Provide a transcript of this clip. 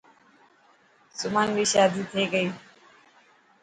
سمن ري شادي ٿي گئي.